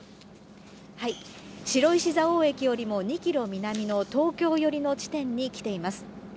白石蔵王駅よりも２キロ南の東京寄りの地点に来ています。